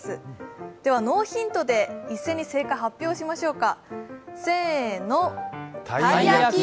ではノーヒントで一斉に正解を発表しましょうか。